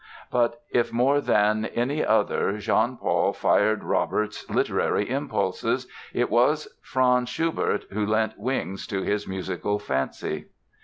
But if more than any other Jean Paul fired Robert's literary impulses it was Franz Schubert who lent wings to his musical fancy.